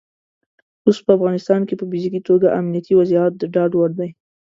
اوس په افغانستان کې په فزیکي توګه امنیتي وضعیت د ډاډ وړ دی.